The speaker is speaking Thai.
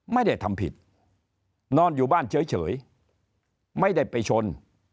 ไม่ได้ทำผิดนอนอยู่บ้านเฉยไม่ได้ไปชน